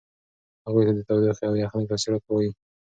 هغوی ته د تودوخې او یخنۍ د تاثیراتو وایئ.